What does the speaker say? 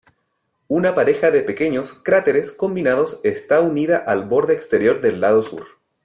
Una pareja de pequeños cráteres combinados está unida al borde exterior del lado sur.